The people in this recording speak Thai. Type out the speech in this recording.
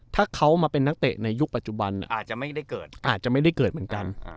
ถ้าเขามาเป็นนักเตะในยุคปัจจุบันอาจจะไม่ได้เกิดเหมือนกัน